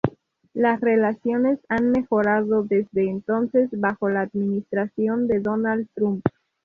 Las relaciones han mejorado desde entonces bajo la administración de Donald Trump.